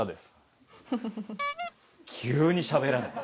急にしゃべらない。